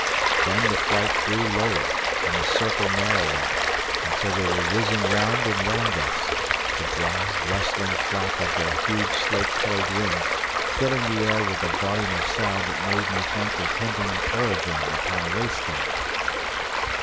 Then, the flight grew lower and the circle narrower, until they were whizzing round and round us, the dry, rustling flap of their huge slate colored wings filling the air with a volume of sound that made me think of Hendon aerodrome upon a race day.